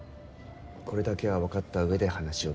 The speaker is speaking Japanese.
これだけは分かった上で話を聞いてほしい。